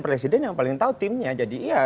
presiden yang paling tahu timnya jadi iya